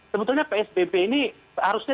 sebetulnya psbb ini harusnya